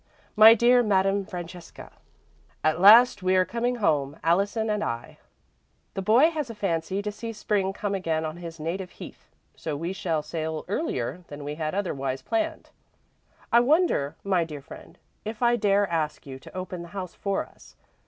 "MY DEAR MADAME FRANCESCA: "'At last we are coming home Allison and I. The boy has a fancy to see Spring come again on his native heath, so we shall sail earlier than we had otherwise planned. "'I wonder, my dear friend, if I dare ask you to open the house for us?